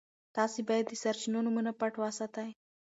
تاسي باید د سرچینو نومونه پټ وساتئ.